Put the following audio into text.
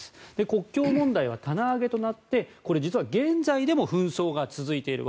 国境問題は棚上げとなってこれ実は現在でも紛争が続いている。